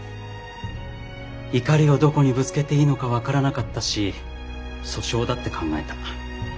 怒りをどこにぶつけていいのか分からなかったし訴訟だって考えた。